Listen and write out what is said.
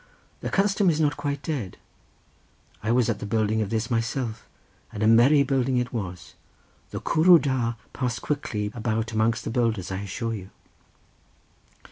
The custom is not quite dead. I was at the building of this myself, and a merry building it was. The cwrw da passed quickly about among the builders, I assure you."